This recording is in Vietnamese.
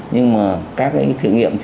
nhưng mà các cái thử nghiệm